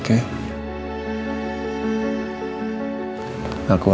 aku andiin sama reinda pergi dulu ya